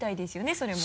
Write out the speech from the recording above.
それも。